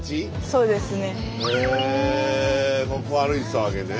そうですね。